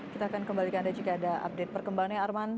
kita akan kembalikan anda jika ada update perkembangannya arman